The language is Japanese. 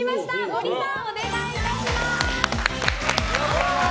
森さん、お願いいたします。